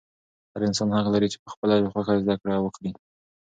هر انسان حق لري چې په خپله خوښه زده کړه وکړي.